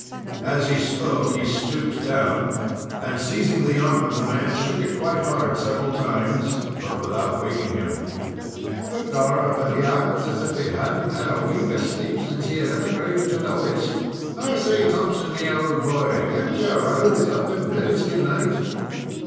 As he spoke, he stooped down, and seizing the arm of the man, shook it quite hard several times, but without waking him. "Begorrah, but he acts as if he had n't a week of sleep since he had emigrated to the West. I say, Thompson, me ould boy, can't ye arouse up and bid us good night?"